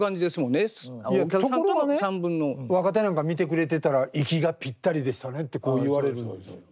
いやところがね若手なんか見てくれてたら「息がぴったりでしたね」ってこう言われるんですよ。